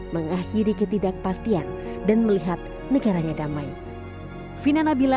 mengakhiri ketidakpastian dan melihat negaranya damai